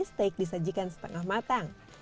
steak disajikan setengah matang